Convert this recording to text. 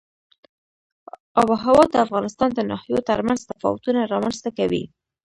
آب وهوا د افغانستان د ناحیو ترمنځ تفاوتونه رامنځ ته کوي.